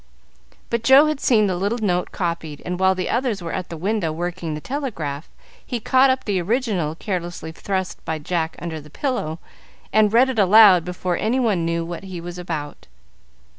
But Joe had seen the little note copied, and while the others were at the window working the telegraph he caught up the original, carelessly thrust by Jack under the pillow, and read it aloud before any one knew what he was about.